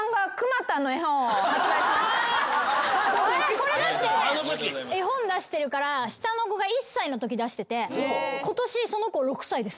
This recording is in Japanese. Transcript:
これだって絵本出してるから下の子が１歳のとき出してて今年その子６歳です。